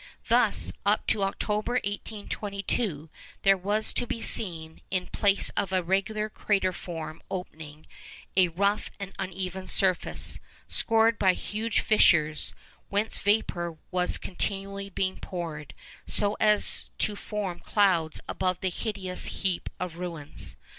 Thus, up to October 1822, there was to be seen, in place of a regular crateriform opening, a rough and uneven surface, scored by huge fissures, whence vapour was continually being poured, so as to form clouds above the hideous heap of ruins.